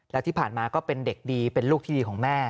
แล้วที่ผ่านมาก็เป็นเด็กดีเป็นลูกที่ดีของแม่